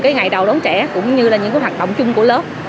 cái ngày đầu đón trẻ cũng như là những hoạt động chung của lớp